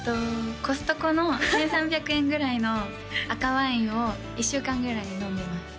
コストコの１３００円ぐらいの赤ワインを１週間ぐらいで飲んでます